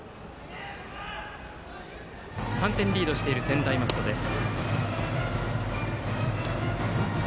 ３点リードしている専大松戸です。